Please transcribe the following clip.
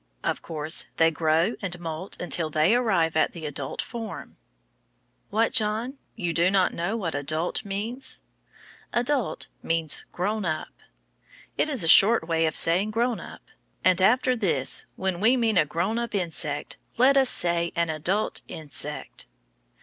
Of course, they grow and moult until they arrive at the adult form. What, John? You do not know what "adult" means? Adult means "grown up." It is a short way of saying grown up; and after this, when we mean a grown up insect, let us say an adult insect.